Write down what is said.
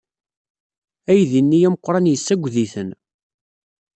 Aydi-nni ameqran yessaged-iten.